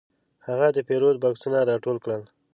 هغه د پیرود بکسونه راټول کړل.